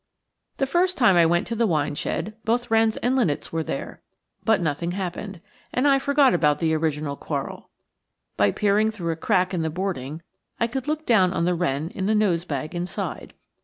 The first time I went to the wine shed both wrens and linnets were there, but nothing happened and I forgot about the original quarrel. By peering through a crack in the boarding I could look down on the wren in the nosebag inside.